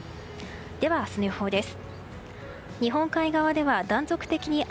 では、明日の予報です。